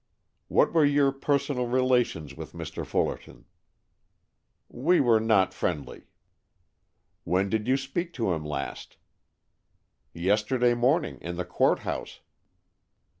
"What were your personal relations with Mr. Fullerton?" "We were not friendly." "When did you speak to him last?" "Yesterday morning, in the Court House."